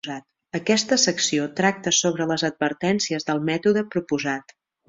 Aquesta secció tracta sobre les advertències del mètode proposat.